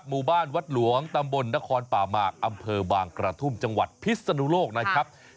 หมู่บ้านวัดหลวงตำบลนครป่าหมากอำเภอบางกระทุ่มจังหวัดพิศนุโลกนะครับ